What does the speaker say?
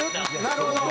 なるほど。